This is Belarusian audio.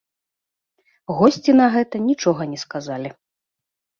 Госці на гэта нічога не сказалі.